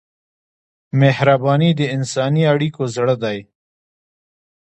مهرباني د انساني اړیکو زړه دی.